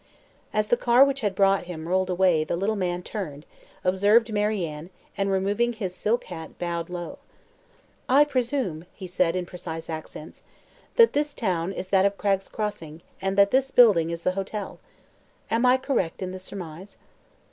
As the car which had brought him rolled away the little man turned, observed Mary Ann, and removing his silt hat bowed low. "I presume," said he in precise accents, "that this town is that of Cragg's Crossing, and that this building is the hotel. Am I correct in the surmise?"